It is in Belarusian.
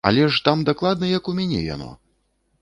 Але ж там дакладна як у мяне яно!